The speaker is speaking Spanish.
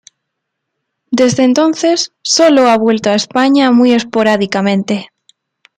Desde entonces sólo ha vuelto a España muy esporádicamente.